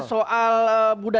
soal pansel ya